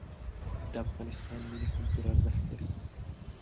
د افغانستان ملي کلتور ارزښت لري.